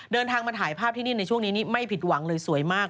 เดินทางมาถ่ายภาพที่นี่ในช่วงนี้นี่ไม่ผิดหวังเลยสวยมาก